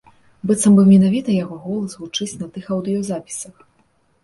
Быццам бы менавіта яго голас гучыць на тых аўдыёзапісах.